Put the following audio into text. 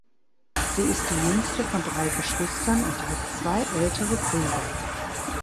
Sie ist die jüngste von drei Geschwistern und hat zwei ältere Brüder.